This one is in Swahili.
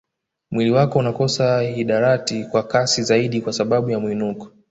Mwili wako unakosa hidarati kwa kasi zaidi kwa sababu ya mwinuko